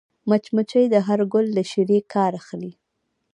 مچمچۍ د هر ګل له شيرې کار اخلي